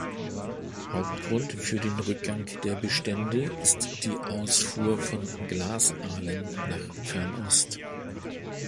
Hauptgrund für den Rückgang der Bestände ist die Ausfuhr von Glasaalen nach Fernost.